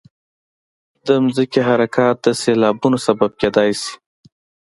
د ځمکې حرکات د سیلابونو سبب کېدای شي.